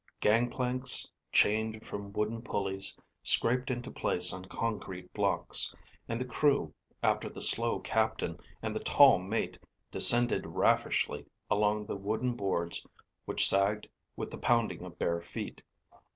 Gangplanks, chained from wooden pullies, scraped into place on concrete blocks, and the crew, after the slow captain and the tall mate, descended raffishly along the wooden boards which sagged with the pounding of bare feet.